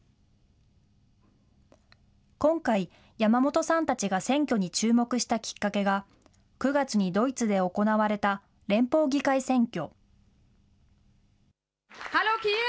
今回、山本さんたちが選挙に注目したきっかけが、９月にドイツで行われた連邦議会選挙。